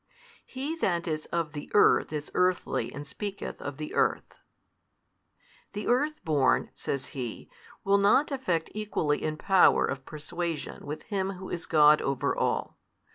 He that is of the earth is earthly and speaketh of the earth. The earthborn (says he) will not effect equally in power of persuasion with Him Who is God over all.